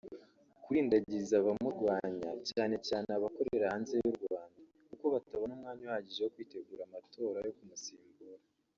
*Kurindagiza abamurwanya (cyane cyane abakorera hanze y’u Rwanda) kuko batabona umwanya uhagije wo kwitegura amatora yo kumusimbura